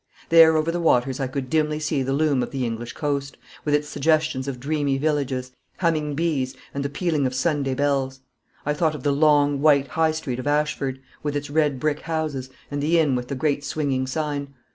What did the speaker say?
There over the waters I could dimly see the loom of the English coast, with its suggestions of dreamy villages, humming bees, and the pealing of Sunday bells. I thought of the long, white High Street of Ashford, with its red brick houses, and the inn with the great swinging sign.